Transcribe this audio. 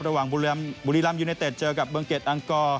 ระหว่างบุรีรวมยูเนตเต็ดเจอกับเบื้องเกร็ดอังกอร์